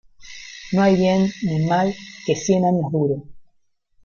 No hay bien ni mal que cien años dure.